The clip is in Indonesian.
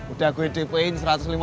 udah gua dp in satu ratus lima puluh